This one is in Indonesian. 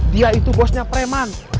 dia itu bosnya preman